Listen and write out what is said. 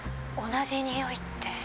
同じにおいって。